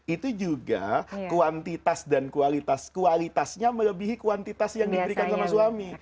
itu juga kuantitas dan kualitasnya melebihi kuantitas yang diberikan sama suami